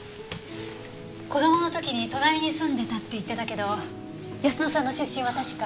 子供の時に隣に住んでたって言ってたけど泰乃さんの出身は確か。